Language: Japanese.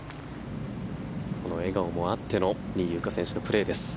この笑顔もあっての仁井優花選手のプレーです。